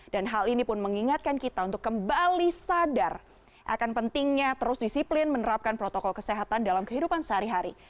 dan hal ini pun mengingatkan kita untuk kembali sadar akan pentingnya terus disiplin menerapkan protokol kesehatan dalam kehidupan sehari hari